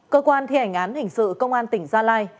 cơ quan thi hành án hình sự công an tỉnh gia lai